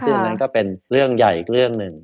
ซึ่งอันนั้นก็เป็นเรื่องใหญ่อีกเรื่องหนึ่ง